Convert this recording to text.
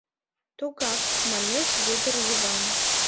— Тугак! — манеш Вӧдыр Йыван.